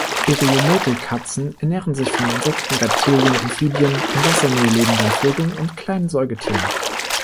Iriomote-Katzen ernähren sich von Insekten, Reptilien, Amphibien, in Wassernähe lebenden Vögeln und kleinen Säugetieren.